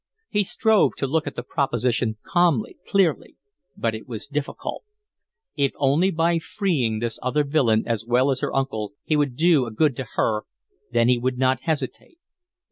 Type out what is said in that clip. He strove to look at the proposition calmly, clearly, but it was difficult. If only by freeing this other villain as well as her uncle he would do a good to her, then he would not hesitate.